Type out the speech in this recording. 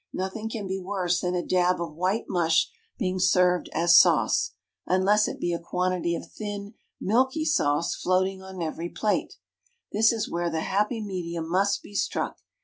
Nothing can be worse than a dab of white mush being served as sauce, unless it be a quantity of thin, milky soup floating on every plate. This is where the happy medium must be struck.